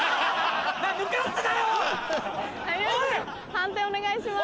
判定お願いします。